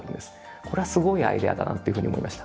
これはすごいアイデアだなっていうふうに思いました。